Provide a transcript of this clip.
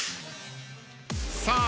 さあ